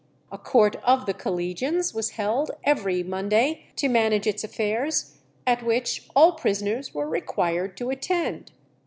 A court of the collegians was held every Monday to manage its affairs, at which all prisoners were required to attend.